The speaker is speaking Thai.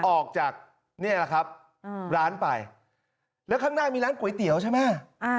ออกจากนี่แหละครับร้านไปแล้วข้างหน้ามีร้านก๋วยเตี๋ยวใช่ไหม